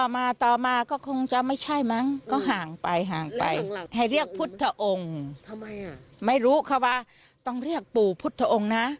บอกเขาว่าต้องเรียกปู่พุทธองค์นะ